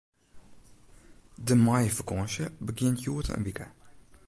De maaiefakânsje begjint hjoed in wike.